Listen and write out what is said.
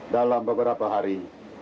dalam beberapa hari